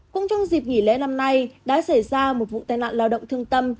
cũng trong dịp nghỉ lễ năm nay đã xảy ra một vụ tai nạn lao động thương tâm